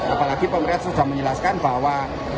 apalagi pemerintah sudah menjelaskan bahwa